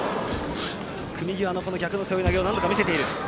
組み際の逆の背負い投げは何度か見せている。